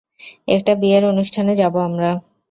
একটা বিয়ের অনুষ্ঠানে যাব আমরা!